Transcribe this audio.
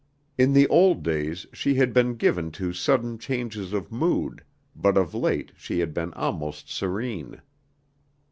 In the old days she had been given to sudden changes of mood, but of late she had been almost serene.